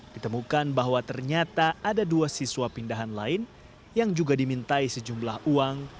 ditemukan bahwa ternyata ada dua siswa pindahan lain yang juga dimintai sejumlah uang